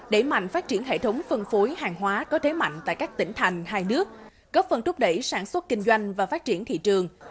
đẩy mạnh phát triển hệ thống phân phối hàng hóa có thế mạnh tại các tỉnh thành hai nước góp phần thúc đẩy sản xuất kinh doanh và phát triển thị trường